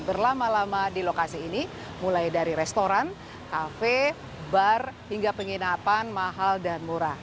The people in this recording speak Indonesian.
berlama lama di lokasi ini mulai dari restoran kafe bar hingga penginapan mahal dan murah